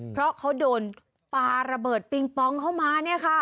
เพราะเขาโดนปลาระเบิดปิงปองเข้ามาเนี่ยค่ะ